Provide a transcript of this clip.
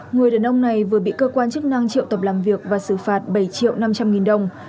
người đàn ông này vừa bị cơ quan chức năng triệu tập làm việc và xử phạt bảy triệu năm trăm linh nghìn đồng